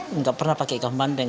tidak pernah pakai ikan bandeng